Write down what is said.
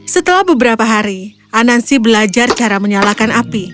setelah beberapa hari anansi belajar cara menyalakan api